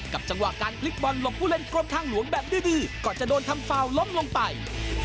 จังหวะการพลิกบอลลงผู้เล่นกรมทางหลวงแบบดื้อก่อนจะโดนทำฟาวล้มลงไป